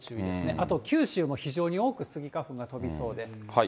あと九州も非常に多くスギ花粉が飛びそうです。